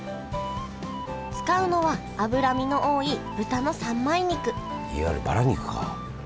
使うのは脂身の多い豚の三枚肉いわゆるバラ肉か。